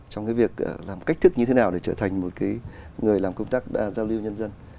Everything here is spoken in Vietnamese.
trong cái việc làm cách thức như thế nào để trở thành một người làm công tác giao lưu nhân dân